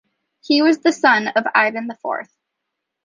He was the son of Ivan IV.